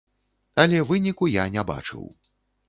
Але выніку я не бачыў.